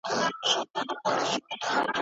که ګروپ وي نو کوټه نه توریږي.